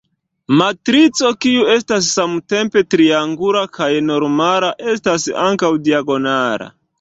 Matrico kiu estas samtempe triangula kaj normala, estas ankaŭ diagonala.